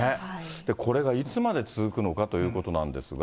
これがいつまで続くのかということなんですが。